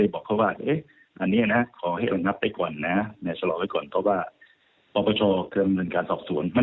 มันจะกลายเป็นว่าผลลงโทน่ะ